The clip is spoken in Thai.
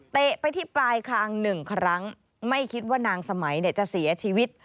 เตะไปที่ปลายคาง๑ครั้งไม่คิดว่านางสมัยจะเสียชีวิต